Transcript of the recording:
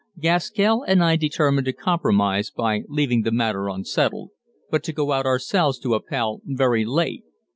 Gaskell and I determined to compromise by leaving the matter unsettled, but to go out ourselves to Appell very late.